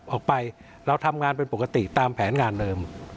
ออกไปเราทำงานเป็นปกติตามแผนงานเดิม